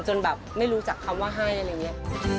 จนแบบไม่รู้จักคำว่าให้อะไรอย่างนี้